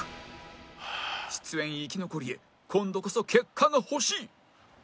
出演生き残りへ今度こそ結果が欲しい